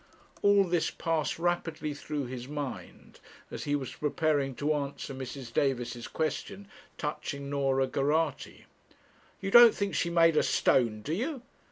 All this passed rapidly through his mind, as he was preparing to answer Mrs. Davis's question touching Norah Geraghty. 'You don't think she's made of stone, do you?'